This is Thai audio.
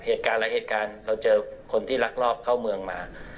เหตุการณ์หลายเหตุการณ์เราเจอคนที่ลักลอบเข้าเมืองมา